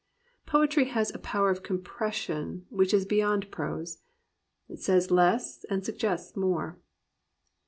Poetry has a power of compression which is beyond prose. It says less and suggests more.